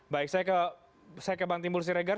baik saya ke bang timbul siregar